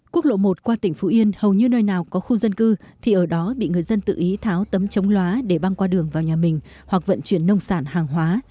quốc lộ một qua tỉnh phú yên hầu như nơi nào có khu dân cư thì ở đó bị người dân tự ý tháo tấm chống loá để băng qua đường vào nhà mình hoặc vận chuyển nông sản hàng hóa